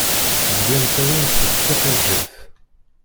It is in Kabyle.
Zgan ttawin-t d tiqiǧet.